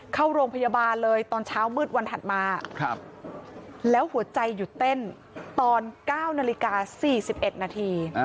เข้าโรงพยาบาลเลยตอนเช้ามืดวันถัดมาแล้วหัวใจหยุดเต้นตอน๙นาฬิกา๔๑นาที